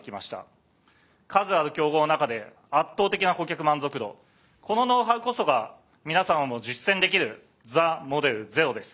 数ある競合の中で圧倒的な顧客満足度このノウハウこそが皆さんも実践できる「ＴＨＥＭＯＤＥＬ０」です。